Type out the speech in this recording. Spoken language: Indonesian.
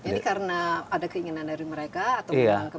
ini karena ada keinginan dari mereka atau menjalankan